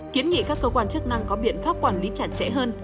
kiến nghị các cơ quan chức năng có biện pháp quản lý chặt chẽ hơn